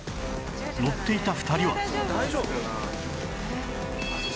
乗っていた２人は